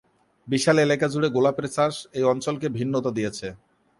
বিশাল এলাকাজুড়ে গোলাপের চাষ এই অঞ্চলকে ভিন্নতা দিয়েছে।